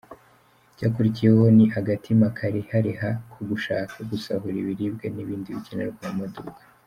Icyakurikiyeho ni agatima karehareha ko gushaka gusahura ibiribwa n’ibindi bikenerwa mu maduka.